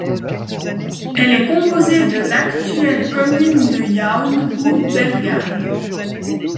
Elle est composée de l'actuelle commune de Jaun ou Bellegarde.